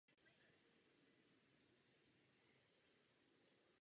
Jeho otec byl plukovník a jeho matka byla dcerou průmyslníka.